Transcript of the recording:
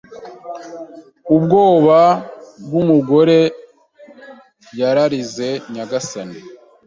ubwoba bwumugoreyararize nyagasani